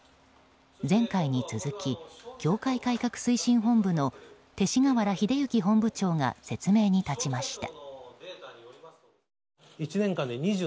前回に続き、教会改革推進本部の勅使河原秀行本部長が説明に立ちました。